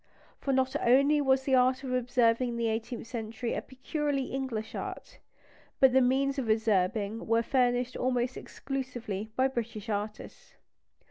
For not only was the art of observing in the eighteenth century a peculiarly English art, but the means of observing were furnished almost exclusively by British artists.